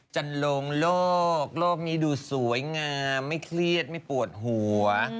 จะลงโลกโลกนี้ดูสวยงามไม่เครียดไม่ปวดหัว